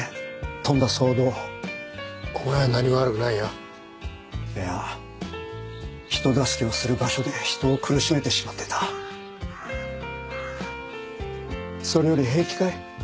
とんだ騒動をお前は何も悪くないよいや人助けをする場所で人を苦しめてしまってたそれより平気かい？